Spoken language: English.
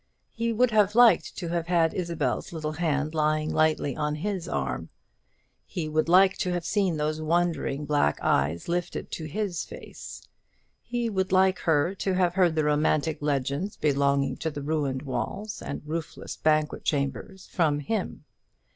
He would like to have had Isabel's little hand lying lightly on his arm; he would like to have seen those wondering black eyes lifted to his face; he would like her to have heard the romantic legends belonging to the ruined walls and roofless banquet chambers from him.